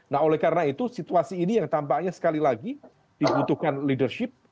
nah oleh karena itu situasi ini yang tampaknya sekali lagi dibutuhkan leadership